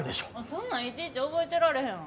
そんなんいちいち覚えてられへん。